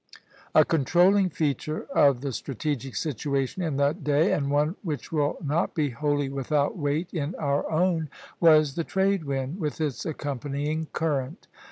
A controlling feature of the strategic situation in that day, and one which will not be wholly without weight in our own, was the trade wind, with its accompanying current.